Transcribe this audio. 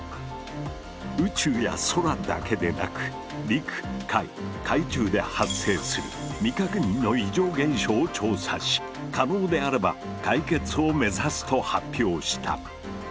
宇宙や空だけでなく陸海海中で発生する未確認の異常現象を調査し可能であれば解決を目指すと発表した。